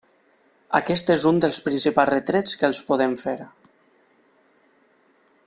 Aquest és un dels principals retrets que els podem fer.